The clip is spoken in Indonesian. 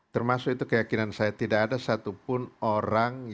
termasuk itu keyakinan saya tidak ada satupun orang yang